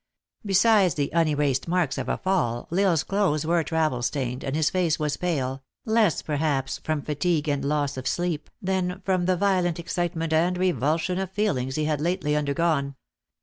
Besides the unerased marks of a fall, L Isle s clothes were travel stained, and his face was pale, less, per haps, from fatigue and loss of sleep, than from the violent excitement and revulsion of feelings he had lately undergone.